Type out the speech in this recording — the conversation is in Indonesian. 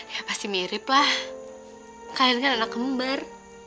ya pasti mirip lah kalian kan anak kembar